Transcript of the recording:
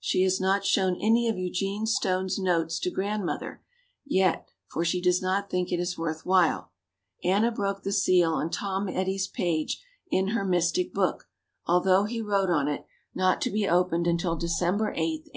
She has not shown any of Eugene Stone's notes to Grandmother yet for she does not think it is worth while. Anna broke the seal on Tom Eddy's page in her mystic book, although he wrote on it, "Not to be opened until December 8, 1859."